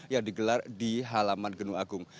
yang digelar di halaman gedung agung